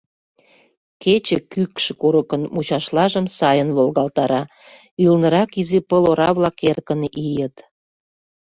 Кече кӱкшӧ курыкын мучашлажым сайын волгалтара, ӱлнырак изи пыл ора-влак эркын ийыт.